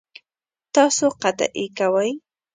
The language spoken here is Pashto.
تاسو قطعی کوئ؟